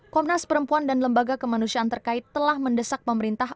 komnas perempuan dan lembaga kemanusiaan terkait telah mendesak pemerintah